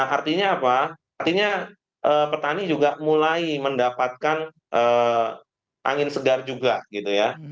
artinya apa artinya petani juga mulai mendapatkan angin segar juga gitu ya